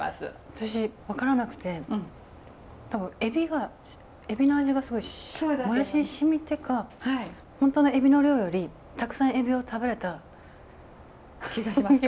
私分からなくて多分エビがエビの味がすごいもやしにしみてか本当のエビの量よりたくさんエビを食べれた気がしました。